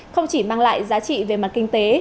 không chỉ mang lại giá trị về mặt kinh tế